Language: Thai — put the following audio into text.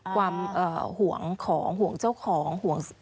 ความห่วงของห่วงเจ้าของห่วง